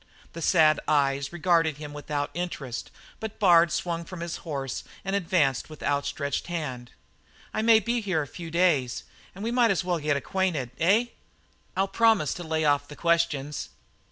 The sad eyes regarded him without interest, but Bard swung from his horse and advanced with outstretched hand. "I may be about here for a few days and we might as well get acquainted, eh? I'll promise to lay off the questions."